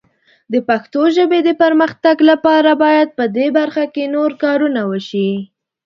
د پښتو ژبې د پرمختګ لپاره باید په دې برخه کې نور کارونه وشي.